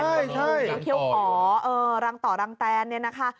น้องเคี้ยวหอรังต่อรังแตนเนี่ยนะคะ